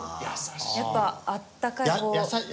やっぱあったかいこう。